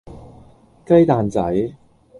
雞蛋仔